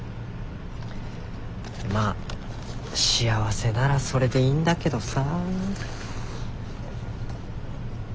まあ幸せならそれでいいんだけどさ。